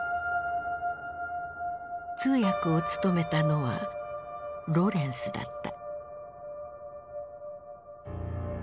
通訳を務めたのはロレンスだった。